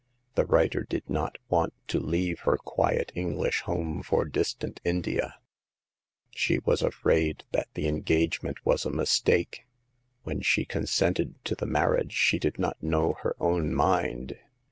The writer did not want to leave her quiet English home for distant India. She was afraid that the engage ment was a mistake ; when she consented to the marriage she did not know her own mind.